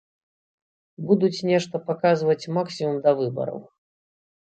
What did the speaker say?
Будуць нешта паказваць максімум да выбараў.